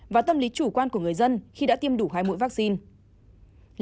và tâm lý chủ quan của người dân khi đã tiêm đủ hai mũi vaccine